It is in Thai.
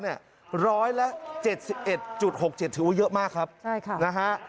ร้อยละ๗๑๖๗ถือว่าเยอะมากครับใช่ค่ะนะฮะ